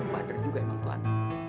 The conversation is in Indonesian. bader juga emang tuhan